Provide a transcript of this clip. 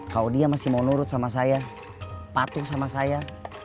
kalau dia masih mau nurut sama saya patuh sama saya